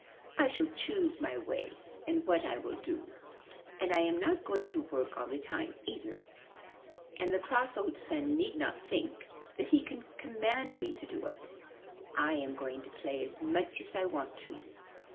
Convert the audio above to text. ''I shall choose my way and what I will do. And I am not going to work all the time either, and the cross old Sun need not think that he can command me to do it. I am going to play as much as I want to."